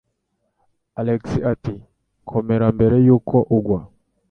Alex ati: "Komera mbere yuko ugwa."